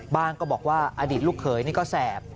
ก็บอกว่าอดีตลูกเขยนี่ก็แสบ